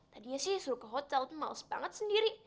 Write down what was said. tadinya sih suruh ke hotel tuh males banget sendiri